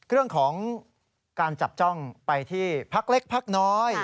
เรื่องของการจับจ้องไปที่พักเล็กพักน้อย